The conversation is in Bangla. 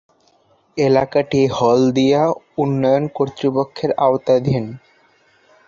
এলাকাটি হলদিয়া উন্নয়ন কর্তৃপক্ষের আওতাধীন।